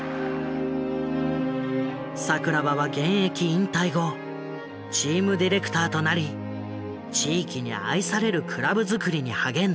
桜庭は現役引退後チームディレクターとなり地域に愛されるクラブづくりに励んだ。